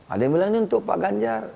ada yang bilang ini untuk pak ganjar